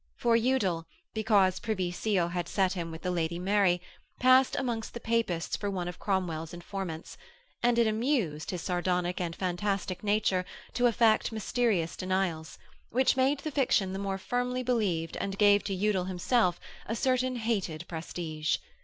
For Udal, because Privy Seal had set him with the Lady Mary, passed amongst the Papists for one of Cromwell's informants, and it amused his sardonic and fantastic nature to affect mysterious denials, which made the fiction the more firmly believed and gave to Udal himself a certain hated prestige.